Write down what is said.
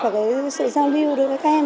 và sự giao lưu đối với các em